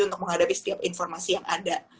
untuk menghadapi setiap informasi yang ada